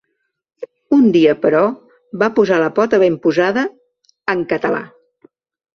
Un dia, però, va posa la pota ben posada… En català.